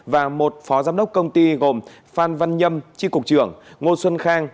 và một phó giám đốc công ty gồm phan văn nhâm tri cục trưởng ngô xuân khang